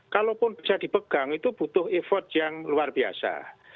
kalaupun bisa dipegang itu butuh effort yang luar biasa